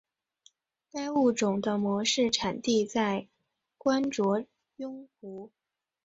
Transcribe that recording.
该物种的模式产地在羊卓雍湖。